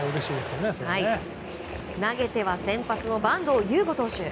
投げては先発の板東湧梧投手。